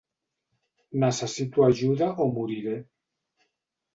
Necessito ajuda o moriré.